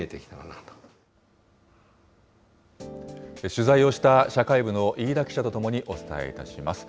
取材をした社会部の飯田記者と共にお伝えいたします。